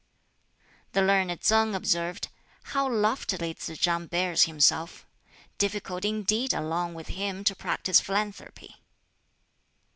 The learned Tsang observed, "How loftily Tsz chang bears himself! Difficult indeed along with him to practise philanthropy!"